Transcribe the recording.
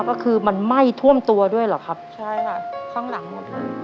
ก็คือมันไหม้ท่วมตัวด้วยเหรอครับใช่ค่ะข้างหลังหมดเลย